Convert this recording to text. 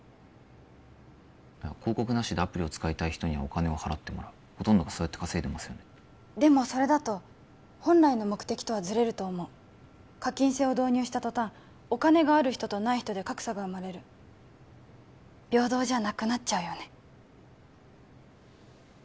広告なしでアプリを使いたい人にはお金を払ってもらうほとんどがそうやって稼いでますよねでもそれだと本来の目的とはズレると思う課金制を導入した途端お金がある人とない人で格差が生まれる平等じゃなくなっちゃうよね